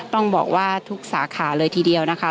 ต้องบอกว่าทุกสาขาเลยทีเดียวนะคะ